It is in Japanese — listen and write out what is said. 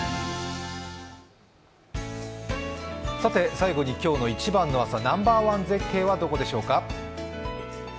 最後に今日の一番の朝、ナンバーワン絶景はどこでしょうか？